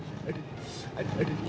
aduh aduh aduh